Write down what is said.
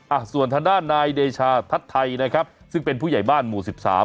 อ่ะส่วนทางด้านนายเดชาทัศน์ไทยนะครับซึ่งเป็นผู้ใหญ่บ้านหมู่สิบสาม